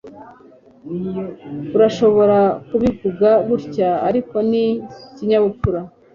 Urashobora kubivuga gutya ariko ni ikinyabupfura